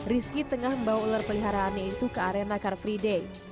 rizky tengah membawa ular peliharaannya itu ke arena car free day